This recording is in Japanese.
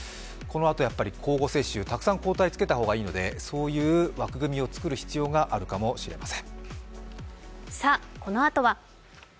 交互接種、たくさん抗体をつけた方がいいのでそういう枠組みをつけた方がいいかもしれません。